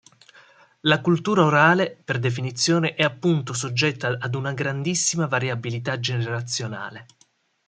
La cultura orale, per definizione, è appunto soggetta ad una grandissima variabilità generazionale.